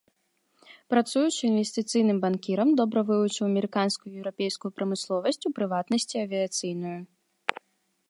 Працуючы інвестыцыйным банкірам добра вывучыў амерыканскую і еўрапейскую прамысловасць, у прыватнасці, авіяцыйную.